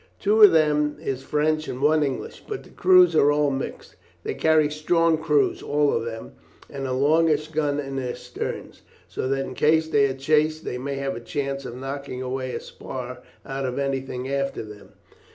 "Two of them is French and one English, but the crews are all mixed. They carry strong crews all of them, and a longish gun in their sterns, so that in case they are chased they may have a chance of knocking away a spar out of anything after them.